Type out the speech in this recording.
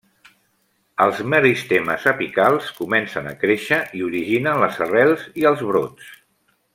Els meristemes apicals comencen a créixer i originen les arrels i els brots.